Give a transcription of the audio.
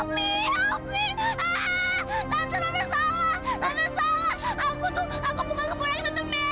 aku tuh aku bukan kebohongan tante mary